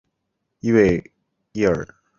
伊维耶尔。